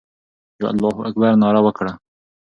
د الله اکبر ناره وکړه.